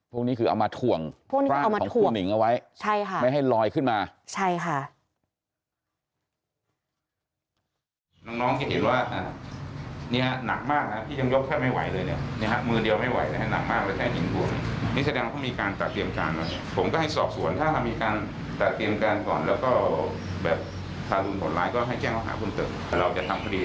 พวกนี้คือเอามาถ่วงกลางของครูหนิงเอาไว้